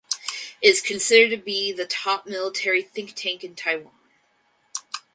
It is considered to be the top military think tank in Taiwan.